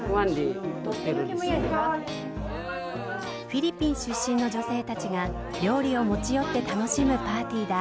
フィリピン出身の女性たちが料理を持ち寄って楽しむパーティーだ。